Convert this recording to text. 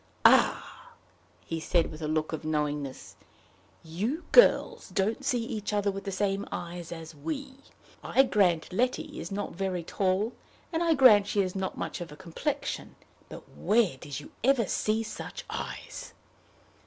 "Ah!" he said, with a look of knowingness, "you girls don't see each other with the same eyes as we. I grant Letty is not very tall, and I grant she has not much of a complexion; but where did you ever see such eyes?"